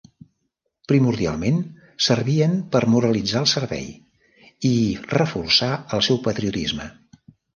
Primordialment, servien per moralitzar al servei i reforçar el seu patriotisme.